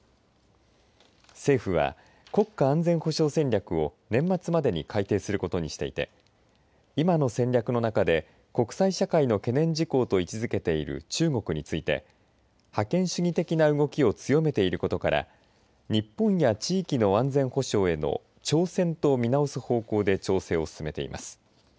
政府は国家安全保障戦略を年末までに改定することにしていて今の戦略の中で国際社会の懸念事項と位置づけている中国について覇権主義的な動きを強めていることから日本や地域の安全保障への挑戦と見直す方向で調整を進めています。